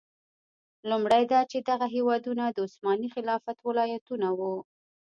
لومړی دا چې دغه هېوادونه د عثماني خلافت ولایتونه وو.